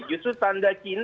justru tanda cinta ini